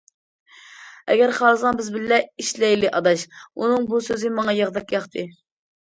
« ئەگەر خالىساڭ بىز بىللە ئىشلەيلى، ئاداش» ئۇنىڭ بۇ سۆزى ماڭا ياغدەك ياقتى.